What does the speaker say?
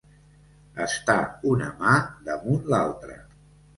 Estar una mà damunt l'altra.